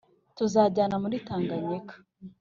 tuzajyana muri Tanganyika